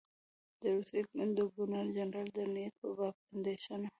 د روسیې د ګورنر جنرال د نیت په باب اندېښنه.